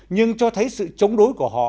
nhưng cho thấy sự chống đối của họ